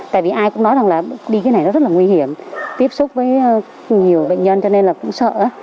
tại vì ai cũng nói rằng là đi cái này nó rất là nguy hiểm tiếp xúc với nhiều bệnh nhân cho nên là cũng sợ